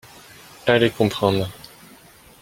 Allez comprendre